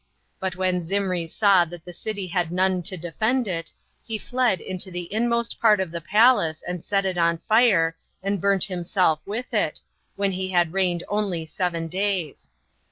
But when Zimri saw that the city had none to defend it, he fled into the inmost part of the palace, and set it on fire, and burnt himself with it, when he had reigned only seven days.